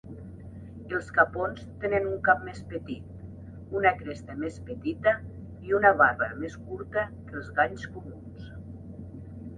Els capons tenen un cap més petit, una cresta més petita i una barba més curta que els galls comuns.